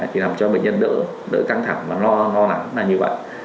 thì làm cho bệnh nhân đỡ căng thẳng và lo nắng là như vậy